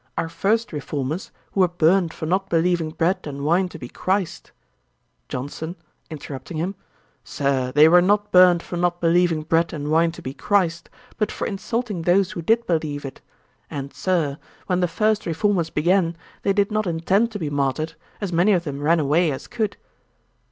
Our first reformers, who were burnt for not believing bread and wine to be CHRIST' JOHNSON, (interrupting him,) 'Sir, they were not burnt for not believing bread and wine to be CHRIST, but for insulting those who did believe it. And, Sir, when the first reformers began, they did not intend to be martyred: as many of them ran away as could.'